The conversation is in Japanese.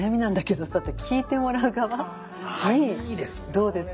どうですか？